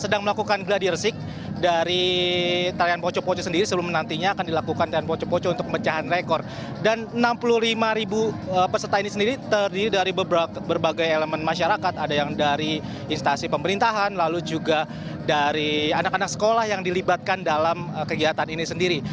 ada beberapa elemen masyarakat ada yang dari instasi pemerintahan lalu juga dari anak anak sekolah yang dilibatkan dalam kegiatan ini sendiri